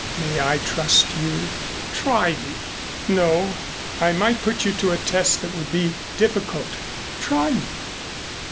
May I trust you?" "Try me." "No, I might put you to a test that would be difficult." "Try me."